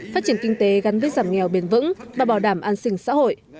phát triển kinh tế gắn với giảm nghèo bền vững và bảo đảm an sinh xã hội